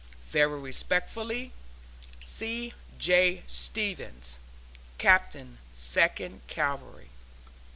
Very respectfully, C. J. STEVENS, Captain Second Cavalry.